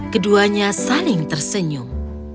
keduanya saling tersenyum